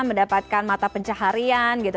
mendapatkan mata pencaharian gitu